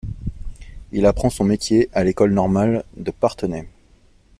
Il apprend son métier à l’école normale de Parthenay.